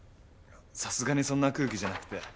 さすがにそんな空気じゃなくて。